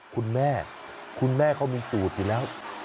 คุณแม่เขามีสูตรอยู่แล้ว